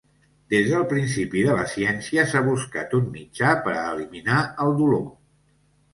Des del principi de la ciència s'ha buscat un mitjà per a eliminar el dolor.